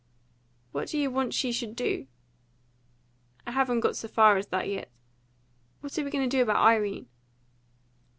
"What do you want she should do?" "I haven't got so far as that yet. What are we going to do about Irene?"